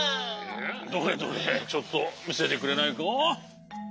どれどれちょっとみせてくれないか？